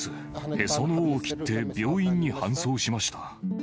へその緒を切って病院に搬送しました。